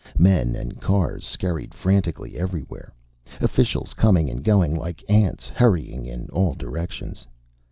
Men and cars scurried frantically everywhere. Officials coming and going like ants, hurrying in all directions.